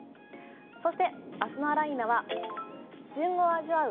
そして明日のあら、いーな！は旬を味わう